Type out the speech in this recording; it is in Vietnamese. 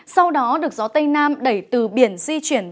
sau đó được gió tây nam đẩy từ biển di chuyển